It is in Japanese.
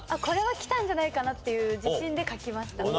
これはきたんじゃないかなっていう自信で書きました。